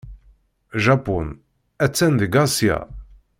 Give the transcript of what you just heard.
Japun attan deg Asya.